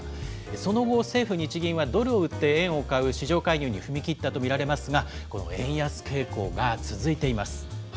その後、政府・日銀はドルを売って円を買う市場介入に踏み切ったと見られますが、この円安傾向が続いています。